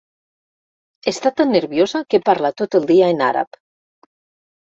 Està tan nerviosa que parla tot el dia en àrab.